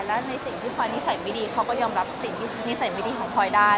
และในสิ่งที่พลอยนิสัยไม่ดีเขาก็ยอมรับสิ่งที่นิสัยไม่ดีของพลอยได้